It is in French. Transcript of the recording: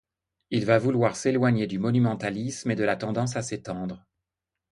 Il va vouloir s’éloigner du monumentalisme et de la tendance à s’étendre.